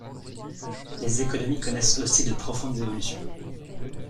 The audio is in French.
Les économies connaissent aussi de profondes évolutions.